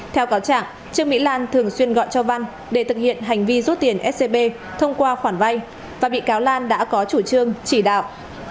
theo cáo trạng trương mỹ lan thường xuyên gọi cho văn để thực hiện hành vi rút tiền scb thông qua khoản vay và bị cáo lan đã có chủ trương chỉ đạo